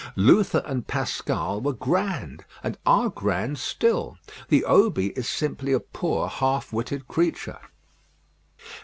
Luther and Pascal were grand, and are grand still; the Obi is simply a poor half witted creature.